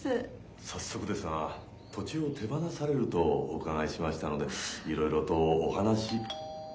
早速ですが土地を手放されるとお伺いしましたのでいろいろとお話。